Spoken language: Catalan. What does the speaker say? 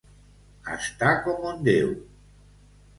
Estar com un Déu.